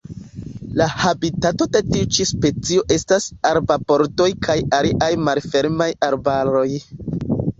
La habitato de tiu ĉi specio estas arbarbordoj kaj aliaj malfermaj arbaroj.